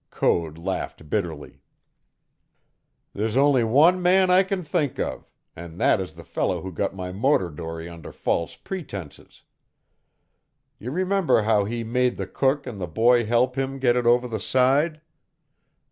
Code laughed bitterly. "There's only one man I can think of, and that is the fellow who got my motor dory under false pretenses. You remember how he made the cook and the boy help him get it over the side?